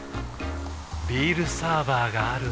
ビールサーバーがある夏。